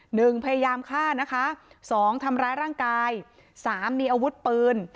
หนึ่งพยายามฆ่านะคะสองทำร้ายร่างกายสามมีอาวุธปืน